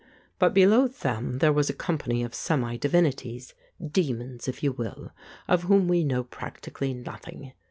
But below them there was a company of semi divinities, demons if you will, of whom we know practically nothing.